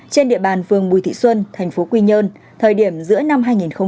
trên địa bàn phường bùi thị xuân tp quy nhơn thời điểm giữa năm hai nghìn hai mươi